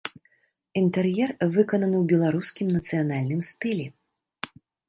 Інтэр'ер выкананы ў беларускім нацыянальным стылі.